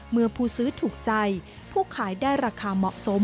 เมื่อผู้ซื้อถูกใจผู้ขายได้ราคาเหมาะสม